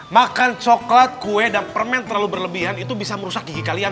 makan coklat kue dan permen terlalu berlebihan itu bisa merusak gigi kalian